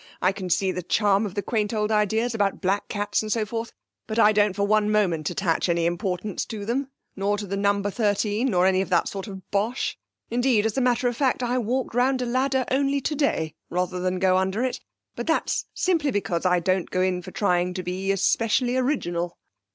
I can see the charm of the quaint old ideas about black cats and so forth, but I don't for one moment attach any importance to them, nor to the number thirteen, nor any of that sort of bosh. Indeed as a matter of fact, I walked round a ladder only today rather than go under it. But that's simply because I don't go in for trying to be especially original.'